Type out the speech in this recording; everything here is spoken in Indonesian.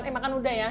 eh makan udah ya